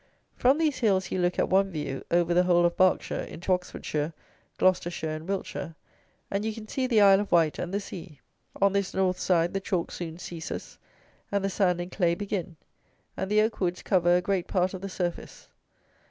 From these hills you look, at one view, over the whole of Berkshire, into Oxfordshire, Gloucestershire and Wiltshire, and you can see the Isle of Wight and the sea. On this north side the chalk soon ceases, and the sand and clay begin, and the oak woods cover a great part of the surface.